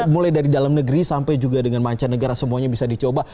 mulai dari dalam negeri sampai juga dengan mancanegara semuanya bisa dicoba